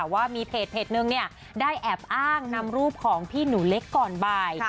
ว่ามีเพจนึงได้แอบอ้างนำรูปของพี่หนูเล็กก่อนบ่าย